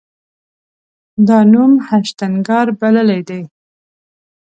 دا نوم هشتنګار بللی دی.